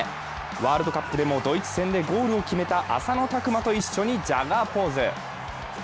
ワールドカップでもドイツ戦でゴールを決めた浅野拓磨と一緒にジャガーポーズ！